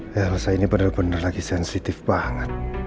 ya elsa ini bener bener lagi sensitif banget